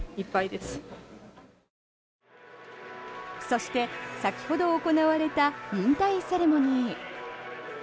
そして、先ほど行われた引退セレモニー。